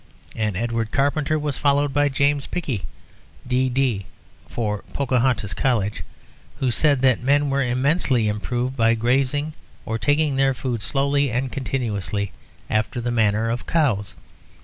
And Edward Carpenter was followed by James Pickie, D.D. (of Pocohontas College), who said that men were immensely improved by grazing, or taking their food slowly and continuously, after the manner of cows.